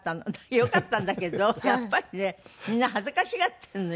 よかったんだけどやっぱりねみんな恥ずかしがってるのよ